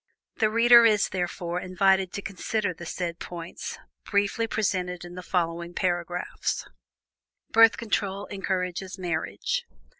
The reader is, therefore, invited to consider the said points, briefly presented in the following paragraphs: BIRTH CONTROL ENCOURAGES MARRIAGE.